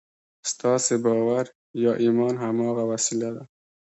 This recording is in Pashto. ستاسې باور یا ایمان هماغه وسیله ده